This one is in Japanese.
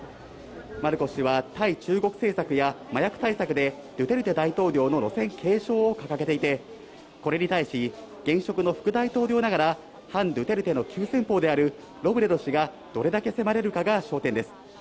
マルコス氏は、対中国政策や麻薬対策で、ドゥテルテ大統領の路線継承を掲げていて、これに対し、現職の副大統領ながら、反ドゥテルテの急先ぽうであるロブレド氏が、どれだけ迫れるかが焦点です。